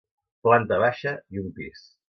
Planta baixa i un pis.